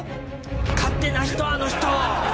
勝手な人あの人！